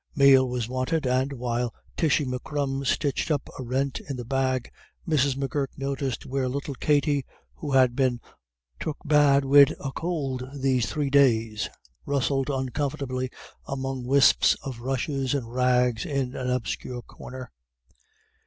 Meal was wanted, and, while Tishy M'Crum stitched up a rent in the bag, Mrs. M'Gurk noticed where little Katty, who had been "took bad wid a could these three days," rustled uncomfortably among wisps of rushes and rags in an obscure corner.